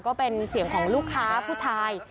ก็เป็นเสียงของลูกค้าผู้ชาย